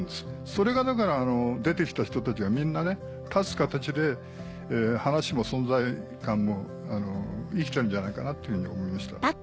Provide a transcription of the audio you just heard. それがだから出てきた人たちがみんな立つ形で話も存在感も生きてるんじゃないかなっていうふうに思いました。